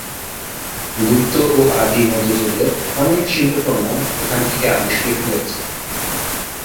গুপ্ত ও আদি মধ্যযুগের অনেক শিল্পকর্ম এখান থেকে আবিষ্কৃত হয়েছে।